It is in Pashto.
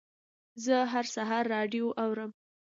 زه هر سهار راډیو اورم.